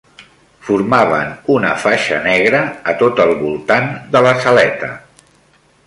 Formaven una faixa negra a tot el voltant de la saleta